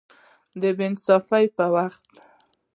د بې انصافۍ پر وخت